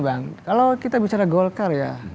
bang kalau kita bicara golkar ya